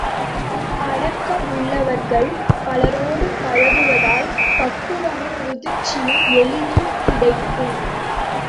அடக்கமுள்ளவர்கள் பலரோடு பழகுவதால் பக்குவமும் முதிர்ச்சியும் எளிதில் கிடைக்கும்.